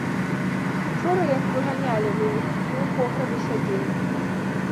Учора, як выганялі вы іх, мы ў пограбе сядзелі.